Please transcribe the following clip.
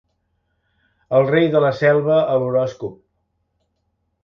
El rei de la selva a l'horòscop.